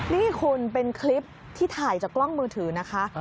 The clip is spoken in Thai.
นี่คุณเป็นคลิปที่ถ่ายจากกล้องมือถือนะคะ